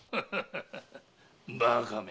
バカめ。